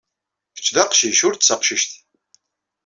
Kečč d aqcic, ur d taqcict.